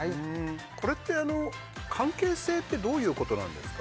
これって関係性ってどういうことなんですか？